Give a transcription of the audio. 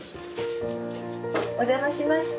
お邪魔しました。